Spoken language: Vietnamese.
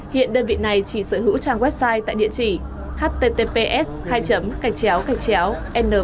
hiện đơn vị này chỉ sở hữu trang website tại địa chỉ https hai cạch chéo cạch chéo lịchcắtdien com